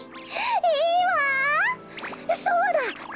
いいわそうだ！